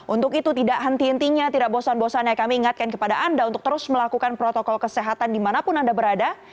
untuk itu tidak henti hentinya tidak bosan bosannya kami ingatkan kepada anda untuk terus melakukan protokol kesehatan dimanapun anda berada